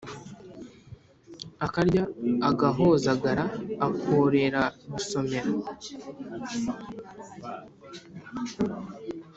akarya agahozagara akarorera gusomera!